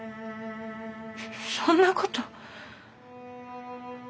そんなこと。